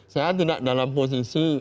saya tidak dalam posisi